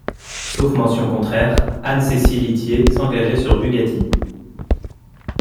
Sauf mention contraire, Anne-Cécile Itier s'engageait sur Bugatti.